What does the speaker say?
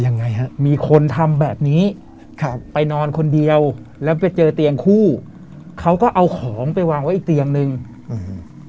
ยังไงฮะมีคนทำแบบนี้ครับไปนอนคนเดียวแล้วไปเจอเตียงคู่เขาก็เอาของไปวางไว้อีกเตียงหนึ่งอืม